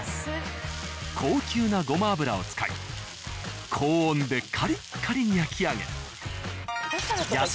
高級なごま油を使い高温でカリッカリに焼き上げ。